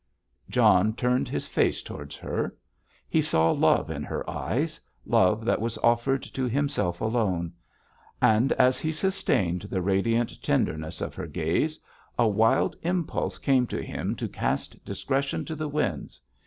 John turned his face towards hers. He saw love in her eyes; love that was offered to himself alone; and as he sustained the radiant tenderness of her gaze a wild impulse came to him to cast discretion to the winds.